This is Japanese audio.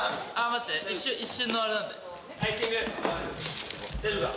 待って一瞬のあれなんで・大丈夫か？